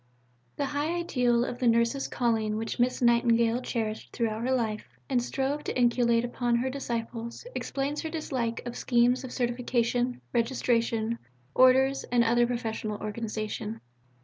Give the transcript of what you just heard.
V The high ideal of the Nurse's calling which Miss Nightingale cherished throughout her life, and strove to inculcate upon her disciples, explains her dislike of schemes of certification, registration, orders, and other professional organization.